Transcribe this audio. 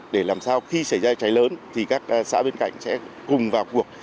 để làm sao khi xảy ra cháy lớn thì các xã bên cạnh sẽ cùng vào cuộc